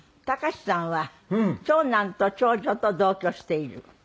孝さんは長男と長女と同居している。